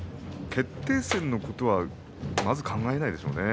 決定戦のことはまず考えないでしょうね。